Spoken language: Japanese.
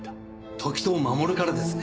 時任守からですね？